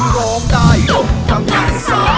ร้องได้ยกกำลังซ่า